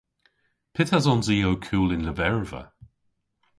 Pyth esons i ow kul y'n lyverva?